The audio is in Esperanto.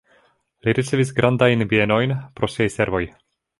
Li ricevis grandajn bienojn pro siaj servoj.